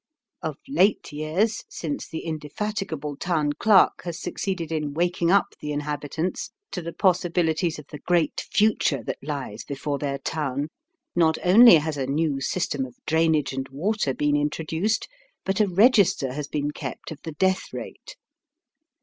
Of late years, since the indefatigable Town Clerk has succeeded in waking up the inhabitants to the possibilities of the great future that lies before their town, not only has a new system of drainage and water been introduced, but a register has been kept of the death rate.